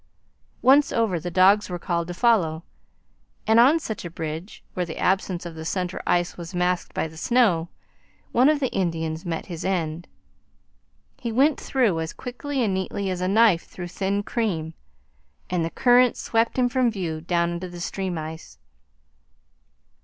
Once over, the dogs were called to follow. And on such a bridge, where the absence of the centre ice was masked by the snow, one of the Indians met his end. He went through as quickly and neatly as a knife through thin cream, and the current swept him from view down under the stream ice.